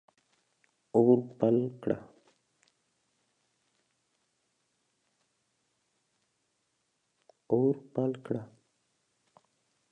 اور بل کړه.